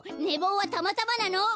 ねぼうはたまたまなの！